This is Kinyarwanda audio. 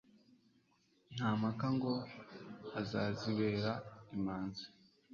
Nta mpaka ngo uzazibera imanzi.